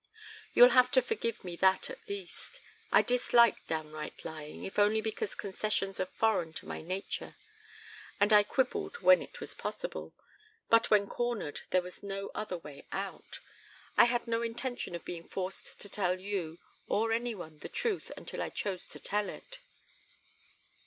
"You'll have to forgive me that at least. I dislike downright lying, if only because concessions are foreign to my nature, and I quibbled when it was possible; but when cornered there was no other way out. I had no intention of being forced to tell you or any one the truth until I chose to tell it."